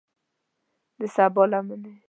د سبا لمنې